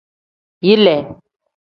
Yile.